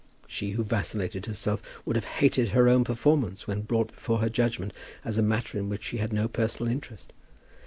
She who vacillated herself would have hated her own performance when brought before her judgment as a matter in which she had no personal interest.